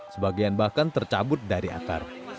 sebagian bahkan tercabut dari akar